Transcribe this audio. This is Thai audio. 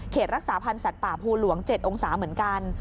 รักษาพันธ์สัตว์ป่าภูหลวง๗องศาเหมือนกัน